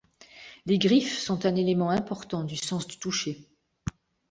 Les griffes sont un élément important du sens du toucher.